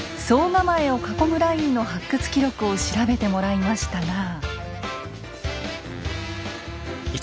総構を囲むラインの発掘記録を調べてもらいましたが。